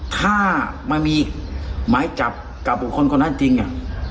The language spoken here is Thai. ถ้ามันมีหมายจับกับบุคคลคนนั้นจริงอ่ะ